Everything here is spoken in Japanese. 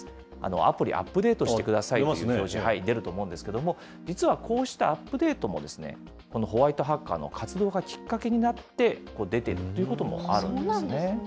アプリアップデートしてくださいという表示、出ると思うんですけど、実はこうしたアップデートもですね、このホワイトハッカーの活動がきっかけになって、出ているということもあるんですね。